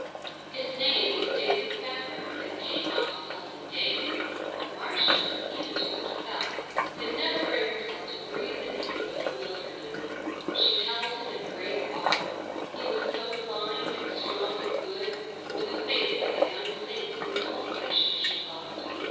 His name was David Spafford, and Kate often called him Dave, but Marcia, even to herself, could never bring herself to breathe the name so familiarly. She held him in great awe. He was so fine and strong and good, with a face like a young saint in some old picture, she thought.